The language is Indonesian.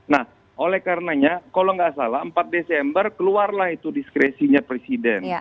nah oleh karenanya kalau nggak salah empat desember keluarlah itu diskresinya presiden